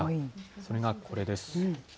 それがこれです。